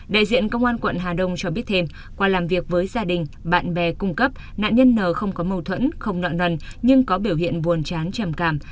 đại diện công an quận hà đông cho biết thêm qua làm việc với gia đình bạn bè cung cấp nạn nhân n không có mâu thuẫn không nợ nần nhưng có biểu hiện buồn chán trầm cảm